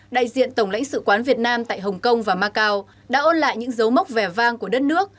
đại diện tổng lãnh sự quán việt nam tại hồng kông và macau đã ôn lại những dấu mốc vẻ vang của đất nước